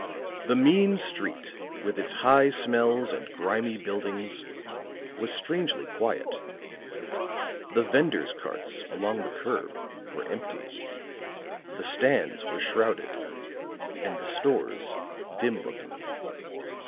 The mean street, with its high smells and grimy buildings, was strangely quiet; the venders' carts, along the curb, were empty; the stands were shrouded, and the stores dim looking.